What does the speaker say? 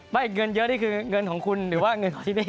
เงินเยอะนี่คือเงินของคุณหรือว่าเงินของที่นี่